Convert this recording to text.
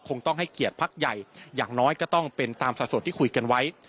คงต้องให้เกียรติพักใหญ่อย่างน้อยก็ต้องเป็นตามสัดส่วนที่คุยกันไว้